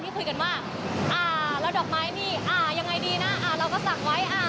คุยกันว่าอ่าแล้วดอกไม้นี่อ่ายังไงดีนะอ่าเราก็สั่งไว้อ่า